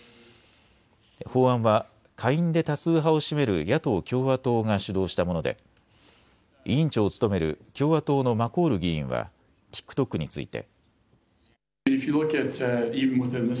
法案は下院で多数派を占める野党・共和党が主導したもので委員長を務める共和党のマコール議員はＴｉｋＴｏｋについて。